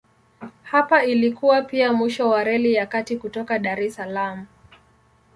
Hapa ilikuwa pia mwisho wa Reli ya Kati kutoka Dar es Salaam.